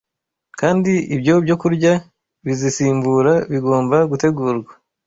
kandi ibyo byokurya bizisimbura bigomba gutegurwa